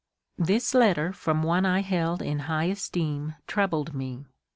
This letter from one I held in high esteem troubled me.